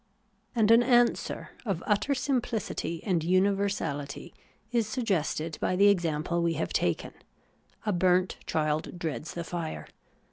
' And an answer, of utter simphcity and universahty, is suggested by the example we have taken : a burnt child dreads the fire.